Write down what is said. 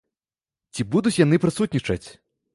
Ці будуць яны прысутнічаць?